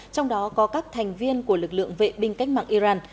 trong đó có các thành viên của lực lượng vệ binh cách mạng iran